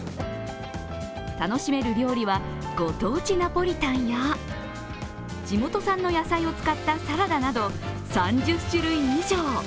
楽しめる料理はご当地ナポリタンや地元産の野菜を使ったサラダなど３０種類以上。